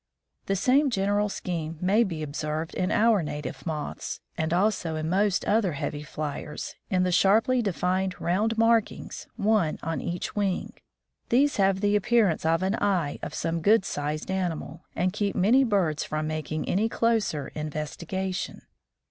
The same general scheme may be observed in our native moths, and also in most other heavy flyers, in the sharply defined round markings, one on each wing. These have the appearance of an eye of some good sized animal, and keep many birds from making any closer investigation.